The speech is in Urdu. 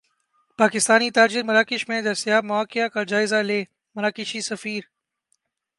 پاکستانی تاجر مراکش میں دستیاب مواقع کا جائزہ لیں مراکشی سفیر